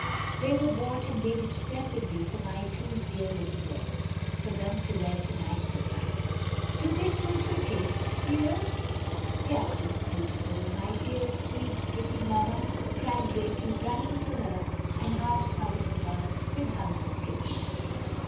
"They were bought and made expressly for my two dear little girls; for them to wear to night," said Violet. "Do they suit your taste, dears?" "They are just beautiful, my dear, sweet, pretty mamma," cried Gracie, running to her and half smothering her with hugs and kisses.